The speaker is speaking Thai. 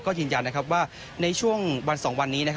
ก็ยืนยันว่าในช่วงวัน๒วันนี้